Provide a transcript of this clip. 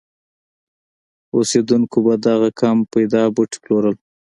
اوسېدونکو به دغه کم پیدا بوټي پلورل.